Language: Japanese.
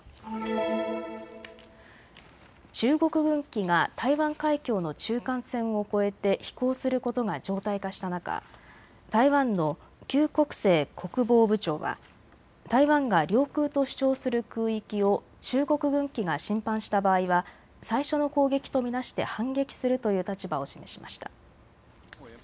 中国軍機が台湾海峡の中間線を越えて飛行することが常態化した中、台湾の邱国正国防部長は台湾が領空と主張する空域を中国軍機が侵犯した場合は最初の攻撃と見なして反撃するという立場を示しました。